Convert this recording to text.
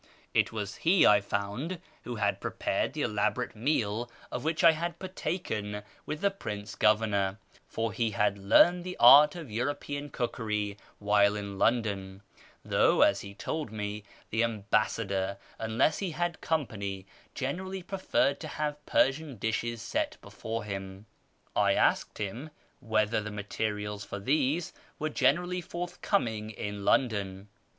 It was he, I found, who had prepared the elaborate meal of which I had partaken with the Prince Governor, for he had learned the art of European cookery while in London, though, as he told me, the ambassador, unless he had company, generally preferred to have Persian dishes set before him. I asked him whether the materials for these were generally forthcoming in London.